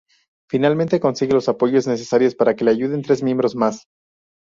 Finalmente consigue los apoyos necesarios para que le ayuden tres miembros más.